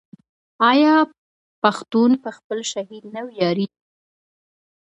آیا پښتون په خپل شهید نه ویاړي؟